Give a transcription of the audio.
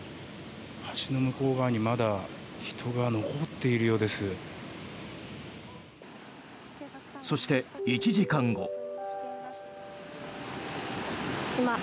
橋の向こう側にまだ人が残っているようです。